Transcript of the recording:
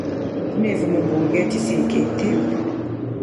Ngunevu mumbunge chiseke tepu.